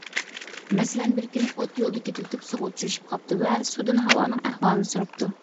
مەسىلەن، بىر كۈنى ئوت يولدا كېتىۋېتىپ سۇغا ئۇچرىشىپ قاپتۇ ۋە سۇدىن ھاۋانىڭ ئەھۋالىنى سوراپتۇ.